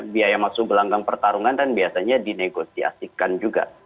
biaya masuk belanggang pertarungan dan biasanya dinegosiasikan juga